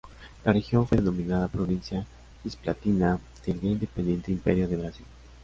La región fue denominada Provincia Cisplatina del ya independiente Imperio del Brasil.